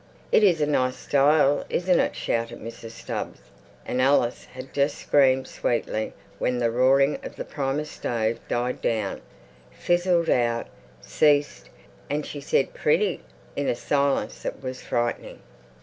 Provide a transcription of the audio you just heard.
"It is a nice style, isn't it?" shouted Mrs. Stubbs; and Alice had just screamed "Sweetly" when the roaring of the Primus stove died down, fizzled out, ceased, and she said "Pretty" in a silence that was frightening.